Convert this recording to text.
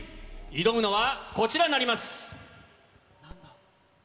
挑むのはこちらになります。